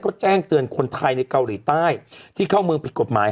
ก็แจ้งเตือนคนไทยในเกาหลีใต้ที่เข้าเมืองผิดกฎหมาย